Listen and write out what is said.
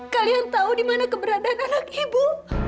kalian tahu dimana keberadaan anak ibu